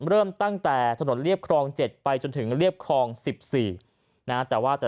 เริ่มตั้งแต่ถนนเรียบครอง๗ไปจนถึงเรียบครอง๑๔นะแต่ว่าจะ